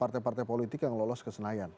partai partai politik yang lolos ke senayan